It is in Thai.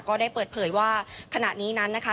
ก็ได้เปิดเผยว่าขณะนี้นั้นนะคะ